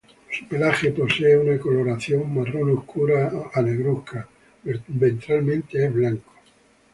Su pelaje posee una coloración marrón oscura a negruzca; ventralmente es blanco.